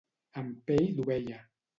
Amb pell d'ovella.